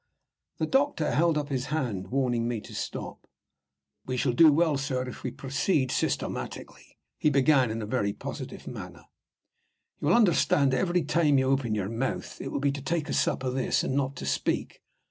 The doctor held up his hand, warning me to stop. "We shall do well, sir, if we proceed systematically," he began, in a very positive manner. "You will understand, that every time you open your mouth, it will be to take a sup of this, and not to speak.